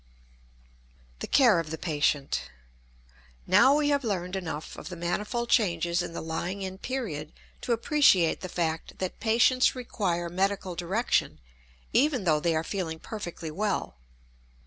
THE CARE OF THE PATIENT. Now we have learned enough of the manifold changes in the lying in period to appreciate the fact that patients require medical direction even though they are feeling perfectly well.